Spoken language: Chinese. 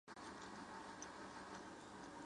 欧鸽为鸠鸽科鸽属的鸟类。